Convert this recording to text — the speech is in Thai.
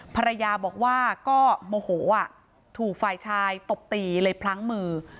ภรรยาบอกว่าก็โมโหถูกฝ่ายชายตบตีเลยพลั้งมือ